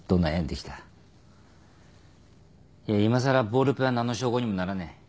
いやいまさらボールペンは何の証拠にもならねえ。